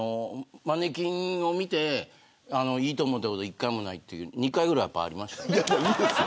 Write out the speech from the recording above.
マネキンを見ていいと思ったこと一回もないと言ったけど２回ぐらいやっぱりありました。